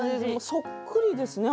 そっくりですね